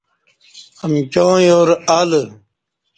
امکی یارالہ